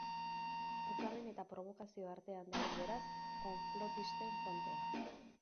Ukamen eta probokazio artean dabil beraz konplotisten frontea.